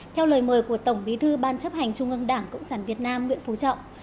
theo lời mời của tổng bí thư ban chấp hành trung ương đảng cộng sản việt nam nguyễn phú trọng